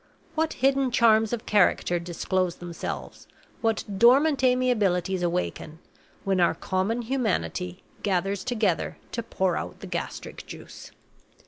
What hidden charms of character disclose themselves, what dormant amiabilities awaken, when our common humanity gathers together to pour out the gastric juice!